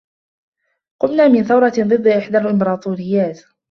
قمنا من ثورة ضد إحدى الإمبراطوريات.